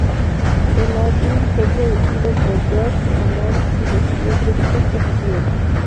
El álbum fue producido por Josh Abraham y recibió críticas positivas.